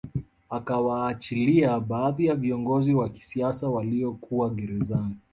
Akawaachilia baadhi ya viongozi wa kisiasa walio kuwa gerezani